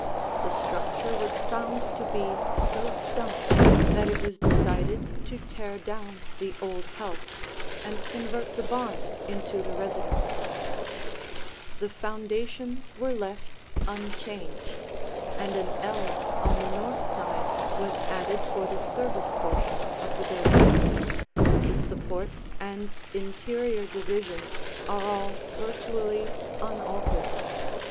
The structure was found to be so stanch that it was decided to tear down the old house and convert the barn into the residence. [Illustration: Rear View] The foundations were left unchanged, and an ell on the north side was added for the service portion of the building. The supports and interior divisions are all virtually unaltered.